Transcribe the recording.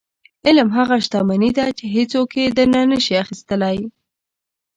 • علم هغه شتمني ده چې هیڅوک یې درنه نشي اخیستلی.